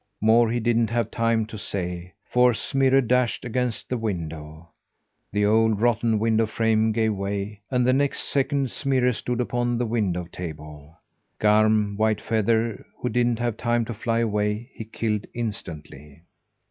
More he didn't have time to say, for Smirre dashed against the window. The old, rotten window frame gave way, and the next second Smirre stood upon the window table. Garm Whitefeather, who didn't have time to fly away, he killed instantly.